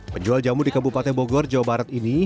penjual jamu di kabupaten bogor jawa barat ini